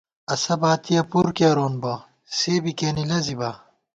اسہ باتِیہ پُر کېرون بہ ، سے بی کېنے لَزِبا